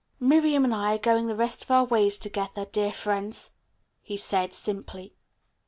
"Miriam and I are going the rest of our way together, dear friends," he said simply.